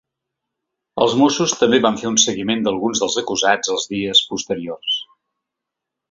Els mossos també van fer un seguiment d’alguns dels acusats els dies posteriors.